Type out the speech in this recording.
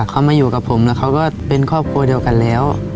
เขามาอยู่กับผมแล้วเขาก็เป็นครอบครัวเดียวกันแล้ว